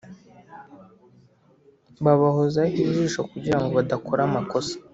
babahozaho ijisho kugirango badakora amakosa